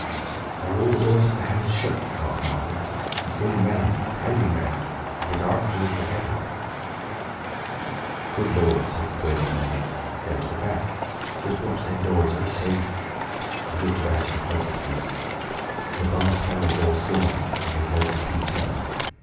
"Are all the doors of the house shut?" asked Marvel. "He's going round—prowling round. He's as artful as the devil." "Good Lord!" said the burly barman. "There's the back! Just watch them doors! I say—!" He looked about him helplessly. The bar parlour door slammed and they heard the key turn.